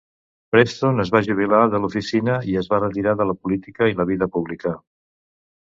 Preston es va jubilar de l'oficina i es va retirar de la política i la vida pública.